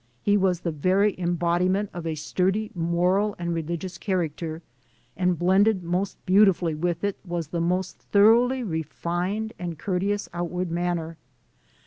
He was the very embodiment of a sturdy moral and religious character, and blended most beautifully with it was the most thor oughly refined and courteous outward manner.